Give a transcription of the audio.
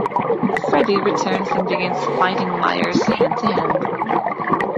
Freddie returns and begins fighting Myers hand-to-hand.